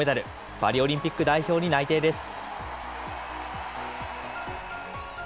パリオリンピック代表に内定です。